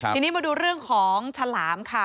ทีนี้มาดูเรื่องของฉลามค่ะ